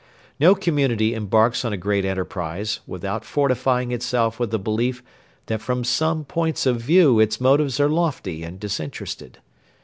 No community embarks on a great enterprise without fortifying itself with the belief that from some points of view its motives are lofty and disinterested.